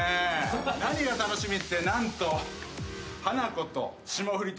何が楽しみって何と。